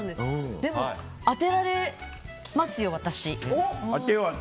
でも当てられますよ、私。